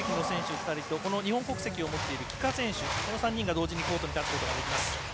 ２人と日本国籍を持っている帰化選手が同時にコートに立つことができます。